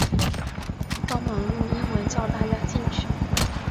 帮忙用英文叫大家进去